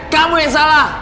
kamu yang salah